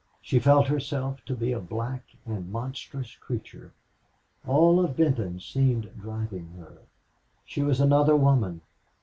She felt herself to be a black and monstrous creature. All of Benton seemed driving her. She was another woman.